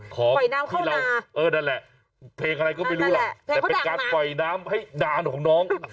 ของเราเออนั่นแหละเพลงอะไรก็ไม่รู้หรอกแต่เป็นการปล่อยน้ำให้ดานของน้อง